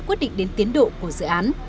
quyết định đến tiến độ của dự án